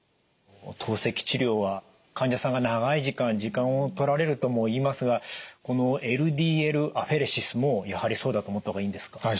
透析治療は患者さんが長い時間時間をとられるともいいますがこのＬＤＬアフェレシスもやはりそうだと思った方がいいんですか？